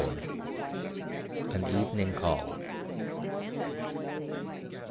AN EVENING CALL.